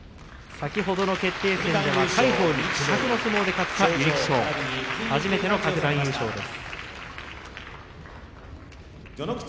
先ほどの決定戦では魁鵬に気迫の相撲で勝った優力勝初めての各段優勝です。